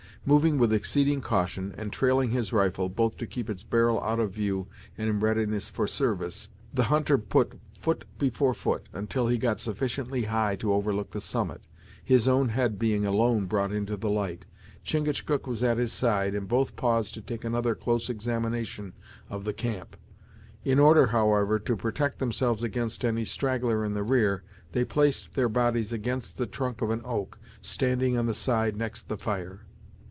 Moving with exceeding caution, and trailing his rifle, both to keep its barrel out of view, and in readiness for service, the hunter put foot before foot, until he had got sufficiently high to overlook the summit, his own head being alone brought into the light. Chingachgook was at his side and both paused to take another close examination of the camp. In order, however, to protect themselves against any straggler in the rear, they placed their bodies against the trunk of an oak, standing on the side next the fire.